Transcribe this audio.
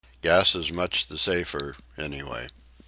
Gas is much the safer, anyway.